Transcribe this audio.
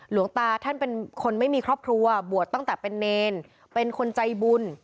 หลวงตาท่านเป็นคนไม่มีครอบครัวบวชตั้งแต่เป็นเนรเป็นคนใจบุญ